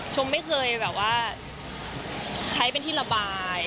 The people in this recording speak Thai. ชมไม่เคยแบบว่าใช้เป็นที่ระบาย